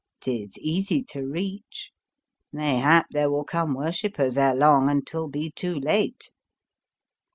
'Tis easy to reach. Mayhap there will come worshippers ere long and 'twill be too late."